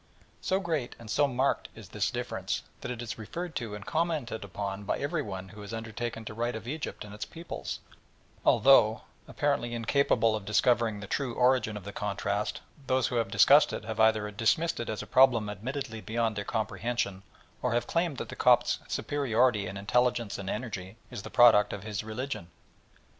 So great and so marked is this difference that it is referred to and commented upon by every one who has undertaken to write of Egypt and its peoples, although, apparently incapable of discovering the true origin of the contrast, those who have discussed it have either dismissed it as a problem admittedly beyond their comprehension, or have claimed that the Copt's superiority in intelligence and energy is the product of his religion.